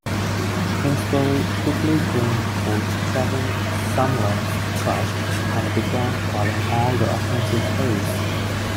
Kingsbury quickly gained Coach Kevin Sumlin's trust and began calling all the offensive plays.